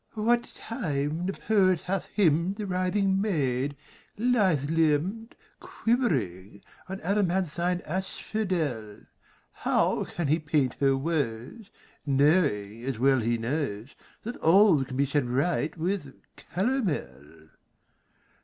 What time the poet hath hymned The writhing maid, lithe limbed, Quivering on amaranthine asphodel, How can he paint her woes, Knowing, as well he knows, That all can be set right with calomel?